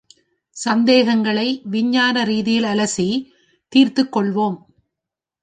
சந்தேகங்களை விஞ்ஞான ரீதியில் அலசி, தீர்த்துக் கொள்வோம்.